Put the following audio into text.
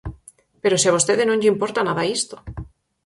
¡Pero se a vostede non lle importa nada isto!